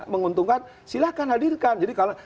menguntungkan silahkan hadirkan jadi kalau